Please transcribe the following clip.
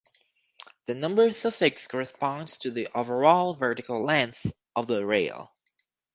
The number suffix corresponds to the overall vertical length of the rail.